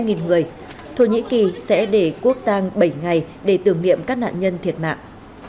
trong lúc hai mươi người thổ nhĩ kỳ sẽ để quốc tàng bảy ngày để tưởng niệm các nạn nhân thiệt mạng